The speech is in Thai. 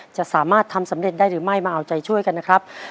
จะสามารถทำสำเร็จได้หรือไม่มาเอาใจช่วยกันนะครับ